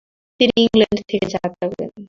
তিনি ইংল্যান্ড থেকে যাত্রা করেন।